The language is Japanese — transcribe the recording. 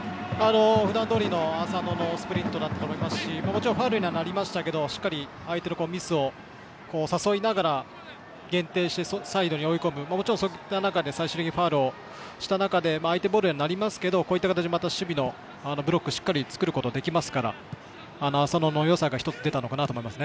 ふだんどおりの浅野のスプリントだったと思いますしもちろんファウルにはなりましたけど、しっかり相手のミスを誘いながら限定してサイドに追い込むそういった中で最終的にファウルに追い込む相手ボールにはなりますがこういった形で守備のブロックをしっかり作ることができますから浅野のよさが出たと思います。